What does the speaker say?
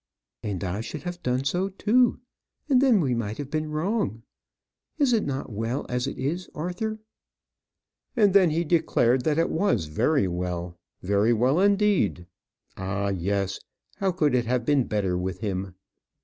"And I should have done so too; and then we might have been wrong. Is it not well as it is, Arthur?" And then he declared that it was very well; very well, indeed. Ah, yes! how could it have been better with him?